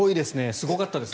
すごかったですね。